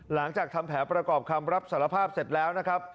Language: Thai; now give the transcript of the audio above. หลังจากทำแผนประกอบคำรับสารภาพเสร็จแล้วนะครับ